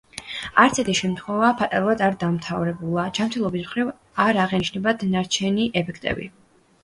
არცერთი შემთხვევა ფატალურად არ დამთავრებულა, ჯანმრთელობის მხრივ არ აღენიშნათ ნარჩენი ეფექტები.